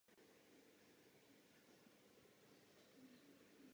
Vatikánský městský stát vydává průkazy pro všechny své občany.